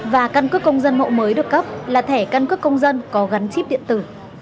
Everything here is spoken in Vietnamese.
và căn cước công dân hộ mới được cấp là thẻ căn cước công dân có gắn chip điện tử